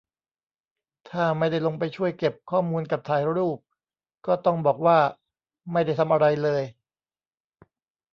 ถ้าไม่ได้ลงไปช่วยเก็บข้อมูลกับถ่ายรูป ก็ต้องบอกว่า ไม่ได้ทำอะไรเลย